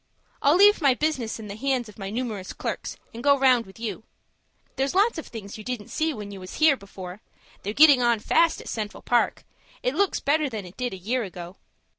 I'll leave my business in the hands of my numerous clerks, and go round with you. There's lots of things you didn't see when you was here before. They're getting on fast at the Central Park. It looks better than it did a year ago.